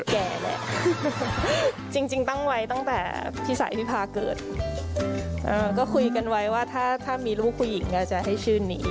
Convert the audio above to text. แก่แหละจริงจริงตั้งไว้ตั้งแต่พี่สายพี่พาเกิดเอ่อก็คุยกันไว้ว่าถ้าถ้ามีลูกคู่หญิงก็จะให้ชื่นนี้